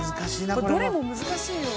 どれも難しいよ。